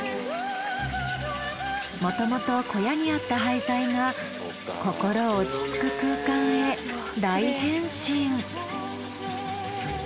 もともと小屋にあった廃材が心落ち着く空間へ大変身。